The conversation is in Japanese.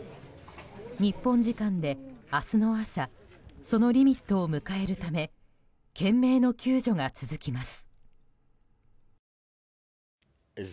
日本時間で明日の朝そのリミットを迎えるため懸命の救助が続きます。